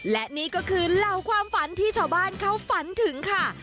และนี่ก็คือเหล่าความฝันที่ชาวบ้านเขาฝันถึงค่ะ